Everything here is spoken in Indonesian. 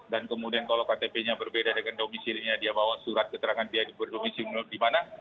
dan kemudian kalau ktp nya berbeda dengan domisilinya dia bawa surat keterangan dia berdomisil menurut di mana